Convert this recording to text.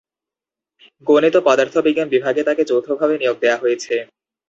গণিত ও পদার্থবিজ্ঞান বিভাগে তাকে যৌথভাবে নিয়োগ দেয়া হয়েছে।